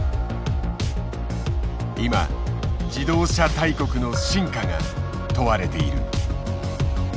今自動車大国の真価が問われている。